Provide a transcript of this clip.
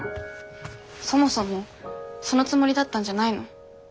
そもそもそのつもりだったんじゃないの？